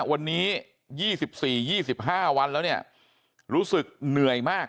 วันนี้ยี่สิบสี่ยี่สิบห้าวันแล้วเนี้ยรู้สึกเหนื่อยมาก